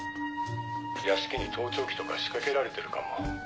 「屋敷に盗聴器とか仕掛けられてるかも」